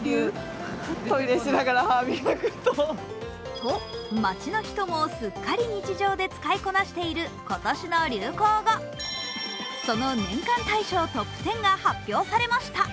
と街の人もすっかり日常で使いこなしている流行語その年間大賞トップ１０が発表されました。